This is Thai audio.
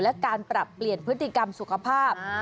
และการปรับเปลี่ยนพฤติกรรมสุขภาพ